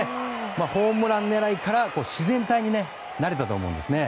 ホームラン狙いから自然体になれたと思うんです。